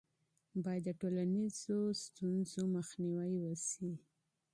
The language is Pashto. باید د ټولنیزو مشکلاتو مخنیوی وسي.